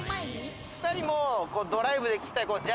２人もドライブで聴きたいジ